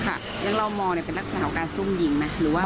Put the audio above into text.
แล้วเรามองเป็นลักษณะของการซุ่มยิงไหมหรือว่า